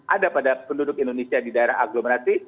ada pada penduduk indonesia di daerah agglomerasi